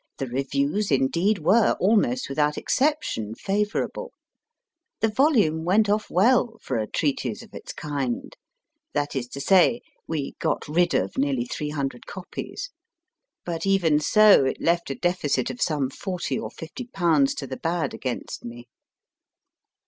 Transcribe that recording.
The reviews, indeed, were, almost without exception, favourable ; the volume went off well for a treatise of its kind that is to say, we got rid of nearly 300 copies ; but even so, it left a deficit of some forty or fifty pounds to the bad against me.